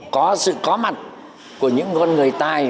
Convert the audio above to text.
có sự có mặt của những con người tài